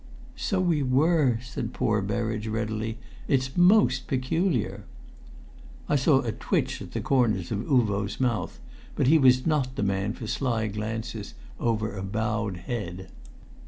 "So we were," said poor Berridge, readily. "It's most peculiar!" I saw a twitch at the corners of Uvo's mouth; but he was not the man for sly glances over a bowed head.